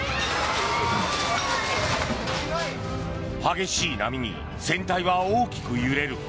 激しい波に船体が大きく揺れる。